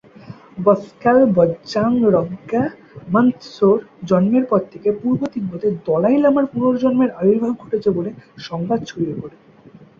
ব্স্কাল-ব্জাং-র্গ্যা-ম্ত্শোর জন্মের পর থেকে পূর্ব তিব্বতে দলাই লামার পুনর্জন্মের আবির্ভাব ঘটেছে বলে সংবাদ ছড়িয়ে পড়ে।